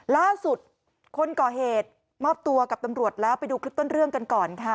ล่าสุดคนก่อเหตุมอบตัวกับตำรวจแล้วไปดูคลิปต้นเรื่องกันก่อนค่ะ